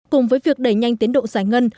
cùng với việc đẩy nhanh tiến độ giải ngân